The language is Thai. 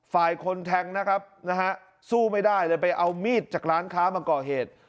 ฝ่ายคนแทงนะครับนะฮะสู้ไม่ได้เลยไปเอามีดจากร้านค้ามาก่อเหตุ